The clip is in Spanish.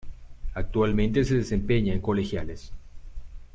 Actualmente se desempeña en Colegiales.